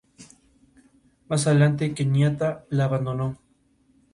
Más adelante, Kenyatta la abandonó.